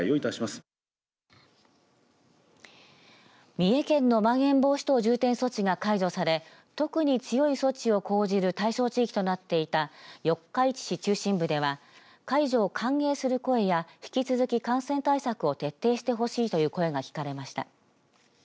三重県のまん延防止等重点措置が解除され特に強い措置を講じる対象地域となっていた四日市市中心部では解除を歓迎する声や引き続き感染対策を徹底してほしいという声が聞かれました。